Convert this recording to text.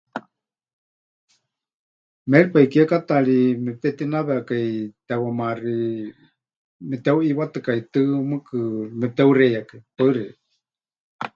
Méripai kiekátaari mepɨtetinawekai tewamaáxi meteuʼiwatɨkaitɨ́, mɨɨkɨ mepɨteuxeiyakai. Paɨ xeikɨ́a.